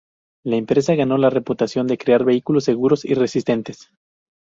La empresa ganó la reputación de crear vehículos seguros y resistentes.